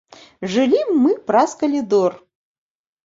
Жылі мы праз калідор.